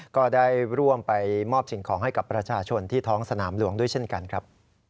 ก็ได้ร่วมไปมอบสิ่งของให้กับประชาชนที่ท้องสนามหลวงด้วยเช่นกันครับ